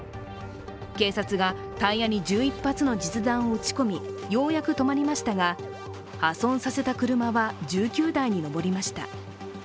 警察がタイヤに１１発の実弾を撃ち込みようやく止まりましたが破損させた車は１９台に上りました。